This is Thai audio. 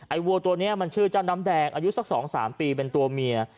วัวตัวนี้มันชื่อเจ้าน้ำแดงอายุสัก๒๓ปีเป็นตัวเมีย